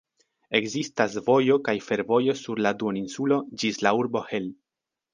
Ekzistas vojo kaj fervojo sur la duoninsulo ĝis la urbo Hel.